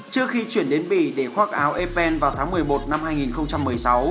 trước khi chuyển đến bỉ để khoác áo epen vào tháng một mươi một năm hai nghìn một mươi sáu